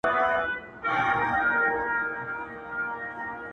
اوس مي ټول یادونه خپل دي چي بېلتون ته یګانه یم-